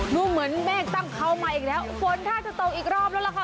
ดูเหมือนเมฆตั้งเขามาอีกแล้วฝนถ้าจะตกอีกรอบแล้วล่ะค่ะ